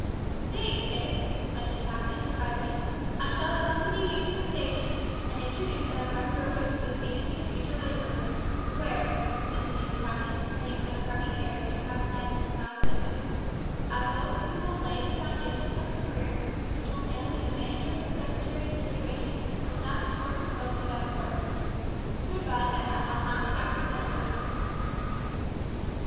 "Stay, Tipps," exclaimed the captain, rising, "I shall accompany you to the station, and introduce our friend Gurwood to the scene of his future labours, where," continued the captain, turning with a hearty air and patronising smile to Edwin, "I hope you will lay the foundation of a career which will end in a manager's or secretary's situation, or some important post of that sort. Good bye, Emma I'll not be back till dinner time."